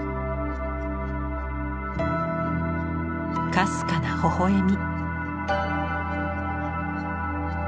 かすかな微笑み。